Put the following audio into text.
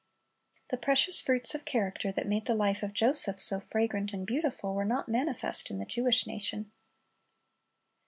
The precious fruits of character that made the life of Joseph so fragrant and beautiful, were not manifest in the Jewish nation.